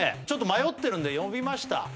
ちょっと迷ってるんで呼びました